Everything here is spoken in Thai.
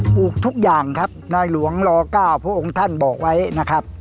ลูกทุกอย่างครับนายหลวงล๙พระองค์ท่านบอกไว้นะครับ